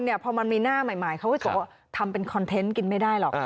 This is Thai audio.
พอมันมีหน้าใหม่เขาก็จะบอกว่าทำเป็นคอนเทนต์กินไม่ได้หรอก